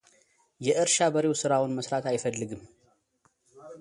የእርሻ በሬው ሥራውን መሥራት አይፈልግም፡፡